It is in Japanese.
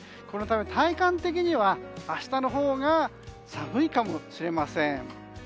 このため体感的には明日のほうが寒いかもしれません。